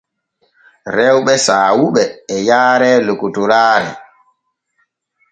Rewɓe saawuɓe e yaare lokotoraare.